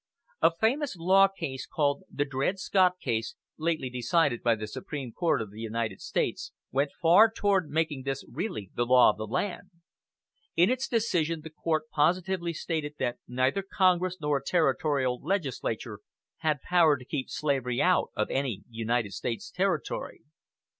A famous law case, called the Dred Scott case, lately decided by the Supreme Court of the United States, went far toward making this really the law of the land. In its decision the court positively stated that neither Congress nor a territorial legislature had power to keep slavery out of any United States Territory.